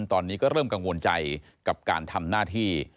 ตอนนี้ก็เริ่มกังวลใจกับการทำหน้าที่